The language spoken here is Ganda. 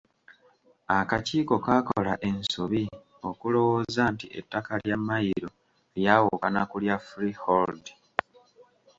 Akakiiko kaakola ensobi okulowooza nti ettaka lya Mmayiro lyawukana ku lya freehold.